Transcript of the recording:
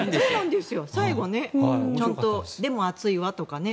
最後、ちゃんとでも暑いわとかね。